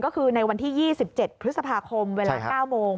ก็คือในวันที่๒๗พฤษภาคมเวลา๙โมง